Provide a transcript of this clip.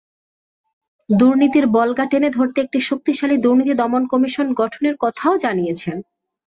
দুর্নীতির বল্গা টেনে ধরতে একটি শক্তিশালী দুর্নীতি দমন কমিশন গঠনের কথাও জানিয়েছেন।